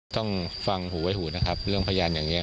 ต้องฟังหูไว้หูนะครับเรื่องพยานอย่างนี้